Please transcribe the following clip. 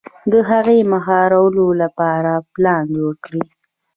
د هغې د مهارولو لپاره پلان جوړ کړي.